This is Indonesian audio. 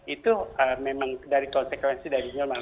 itu memang dari konsekuensi dari new normal